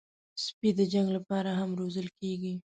سپي د جنګ لپاره هم روزل کېږي.